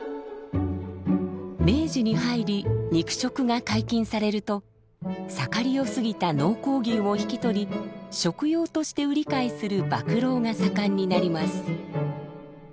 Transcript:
明治に入り肉食が解禁されると盛りを過ぎた農耕牛を引き取り食用として売り買いする「馬喰」が盛んになります。